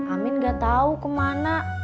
amin gak tahu kemana